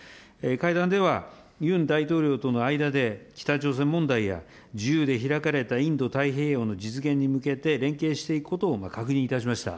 会談では、ユン大統領との間で、北朝鮮問題や自由で開かれたインド太平洋の実現に向けて、連携していくことを確認いたしました。